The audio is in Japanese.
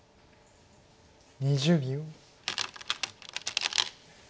２０秒。